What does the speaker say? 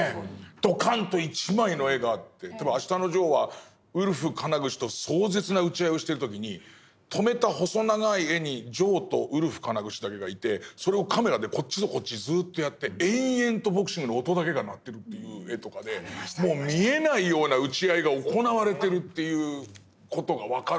ドカンと一枚の絵があって例えば「あしたのジョー」はウルフ金串と壮絶な打ち合いをしてる時に止めた細長い絵にジョーとウルフ金串だけがいてそれをカメラでこっちとこっちずっとやって延々とボクシングの音だけが鳴ってるという絵とかでもう見えないような打ち合いが行われてるっていう事が分かる。